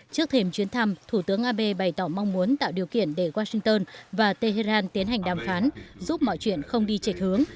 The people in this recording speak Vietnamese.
trước thềm chuyến thăm thủ tướng abe bày tỏ mong muốn tạo điều kiện để washington và tehran tiến hành đàm phán giúp mọi chuyện không đi trệch hướng